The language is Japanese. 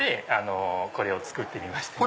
これを作ってみまして。